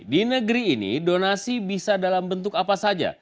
di negeri ini donasi bisa dalam bentuk apa saja